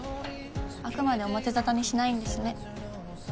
あくまで表沙汰にしないんですね。